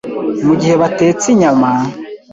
mu gihe batetse inyama